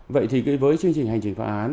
vậy thì với chương trình hành trình phạm án